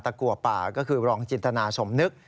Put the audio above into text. กัวป่าก็คือรองจินตนาสมนึก